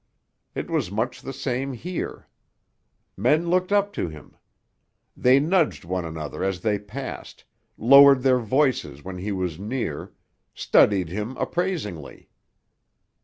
It was much the same here. Men looked up to him. They nudged one another as they passed, lowered their voices when he was near, studied him appraisingly.